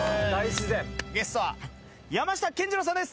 ゲストは山下健二郎さんです。